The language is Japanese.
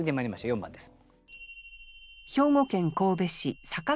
４番です。